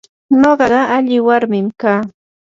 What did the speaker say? nuqaqa alli warmim kaa.